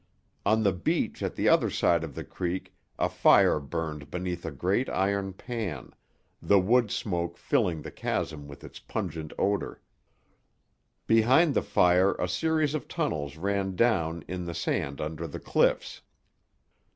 On the beach at the other side of the creek a fire burned beneath a great iron pan, the wood smoke filling the chasm with its pungent odour. Behind the fire a series of tunnels ran down in the sand under the cliffs.